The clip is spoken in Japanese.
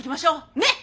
ねっ！